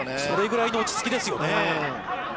それぐらいの落ちつきですよね。